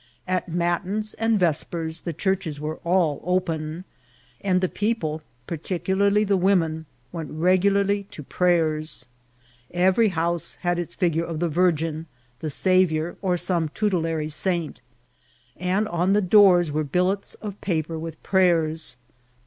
At matins and vespers the churches were all <^n, and the people, particularly the women, went regularly to pnjen. Every house had its figure of the Virgin, the Saviour, or some tutelary saint, and on the dwx . were billets of paper with prayers.